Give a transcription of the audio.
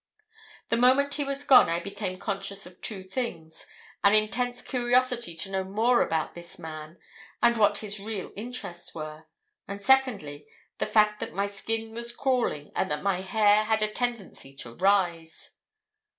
"The moment he was gone I became conscious of two things—an intense curiosity to know more about this man and what his real interests were, and secondly, the fact that my skin was crawling and that my hair had a tendency to rise."